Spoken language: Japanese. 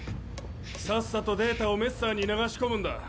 さっさとデータをメッサーに流し込むんだ。